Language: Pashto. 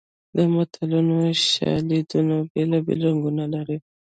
د متلونو شالیدونه بېلابېل رنګونه لري